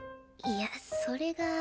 いやそれが。